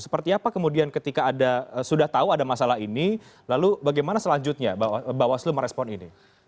seperti apa kemudian ketika sudah tahu ada masalah ini lalu bagaimana selanjutnya bawaslu merespon ini